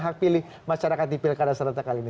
hak pilih masyarakat di pilih kadekali